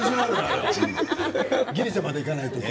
ギリシャまで行かないとね。